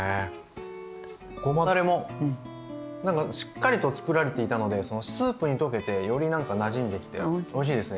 ごまだれもなんかしっかりとつくられていたのでスープに溶けてよりなんかなじんできておいしいですね。